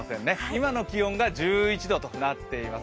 今の気温が１１度となっています。